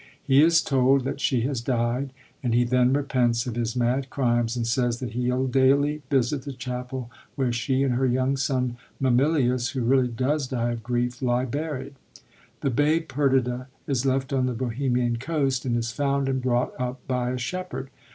He is told that she has died; and he then repents of his mad crimes, and says that he '11 daily visit the chapel where she, and her young son Mamilius, who really does die of grief, lie buried. The babe Perdita is left on the Bohemian coast, and is found and brought up by a shepherd.